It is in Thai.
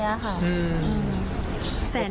ตั้งแต่๑๑ชั่วโมงตั้งแต่๑๑ชั่วโมง